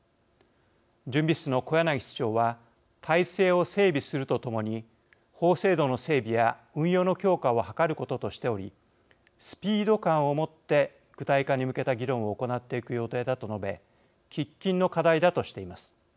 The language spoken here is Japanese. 準備室の小柳室長は体制を整備するとともに法制度の整備や運用の強化を図ることとしておりスピード感を持って具体化に向けた議論を行っていく予定だと述べ喫緊の課題だとしています。